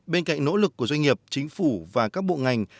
bên cạnh nỗ lực của doanh nghiệp chính phủ và các bộ ngành